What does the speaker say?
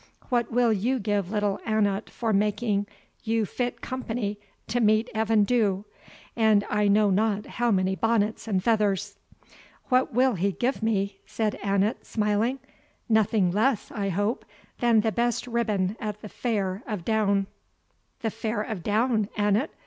What will you give little Annot for making you fit company to meet Evan Dhu, and I know not how many bonnets and feathers?" "What will he give me?" said Annot, smiling; "nothing less, I hope, than the best ribbon at the Fair of Doune." "The Fair of Doune, Annot?"